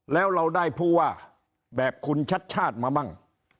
แล้วเราได้ผู้ว่าแบบคุณชัดชาติมามั่ง